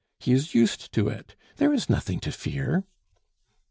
He is used to it. There is nothing to fear."